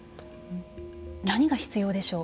何が必要でしょう？